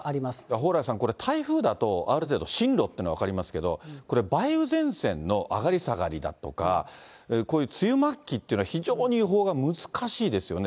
蓬莱さん、これ、台風だとある程度、進路というの分かりますけれども、梅雨前線の上がり下がりだとか、こういう梅雨末期というのは、非常に予報が難しいですよね。